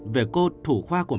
về cô thủ khoa của mẹ